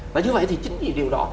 và như vậy thì chính vì điều đó